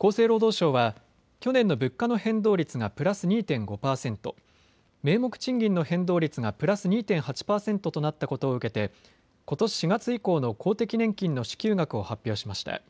厚生労働省は去年の物価の変動率がプラス２．５％、名目賃金の変動率がプラス２．８％となったことを受けてことし４月以降の公的年金の支給額を発表しました。